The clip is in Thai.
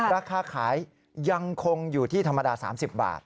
ราคาขายยังคงอยู่ที่ธรรมดา๓๐บาท